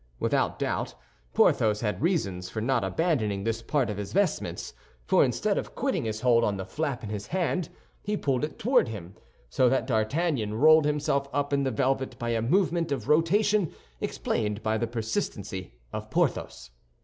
Without doubt, Porthos had reasons for not abandoning this part of his vestments, for instead of quitting his hold on the flap in his hand, he pulled it toward him, so that D'Artagnan rolled himself up in the velvet by a movement of rotation explained by the persistency of Porthos.